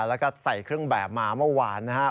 แล้วก็ใส่เครื่องแบบมาเมื่อวานนะครับ